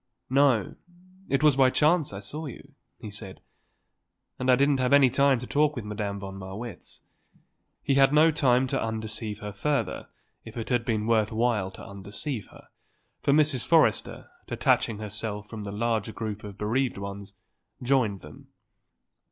"No; it was by chance I saw you," he said. "And I didn't have any talk with Madame von Marwitz." He had no time to undeceive her further if it had been worth while to undeceive her, for Mrs. Forrester, detaching herself from the larger group of bereaved ones, joined them.